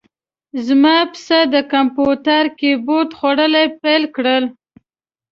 زما پسه د کمپیوتر کیبورډ خوړل پیل کړل.